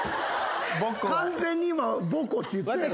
完全に今ボコって言ったやろ。